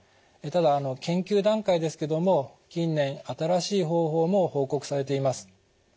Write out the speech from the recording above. ただ研究段階ですけども近年新しい方法も報告されています。